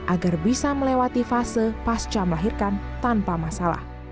agar bisa melewati fase pasca melahirkan tanpa masalah